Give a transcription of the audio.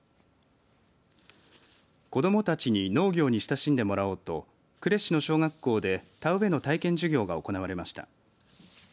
子どもたちに農業に親しんでもらおうと呉市の小学校で田植えの体験授業が行われました。